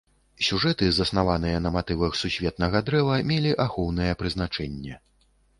Сюжэты, заснаваныя на матывах сусветнага дрэва, мелі ахоўнае прызначэнне.